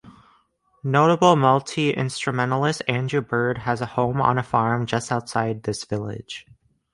Notable multi-instrumentalist Andrew Bird has a home on a farm just outside this village.